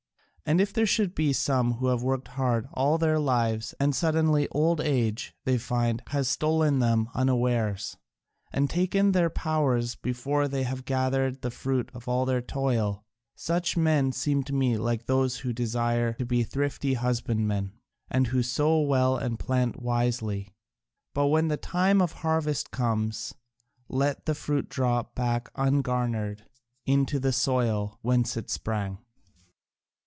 And if there should be some who have worked hard all their lives and suddenly old age, they find, has stolen on them unawares, and taken away their powers before they have gathered in the fruit of all their toil, such men seem to me like those who desire to be thrifty husbandmen, and who sow well and plant wisely, but when the time of harvest comes let the fruit drop back ungarnered into the soil whence it sprang.